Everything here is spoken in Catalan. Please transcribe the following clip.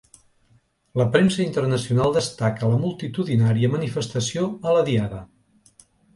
La premsa internacional destaca la multitudinària manifestació a la Diada.